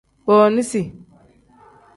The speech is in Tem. Booniisi.